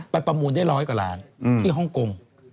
ประมูลได้ร้อยกว่าล้านที่ฮ่องกง